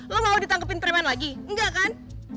lo mau ditangkepin preman lagi enggak kan